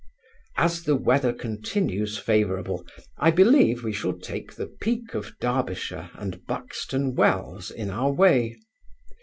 As the weather continues favourable, I believe, we shall take the Peak of Derbyshire and Buxton Wells in our way.